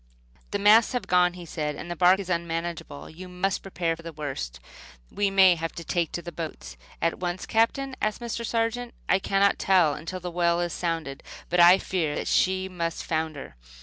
"The masts have gone," he said, "and the bark is unmanageable. You must prepare for the worst. We may have to take to the boats." "At once, Captain?" asked Mr. Sargent. "I cannot tell until the well is sounded; but I fear that she must founder."